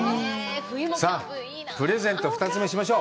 さあ、プレゼント、２つ目、しましょう。